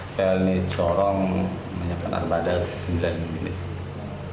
dua ribu delapan belas pln sorong menyiapkan armada sembilan militer